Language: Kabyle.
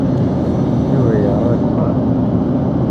Yuba yeɣra deg uxxam.